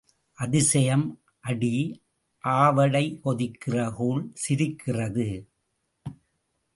அதிசயம் அடி ஆவடை, கொதிக்கிற கூழ் சிரிக்கிறது.